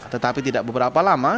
tetapi tidak beberapa lama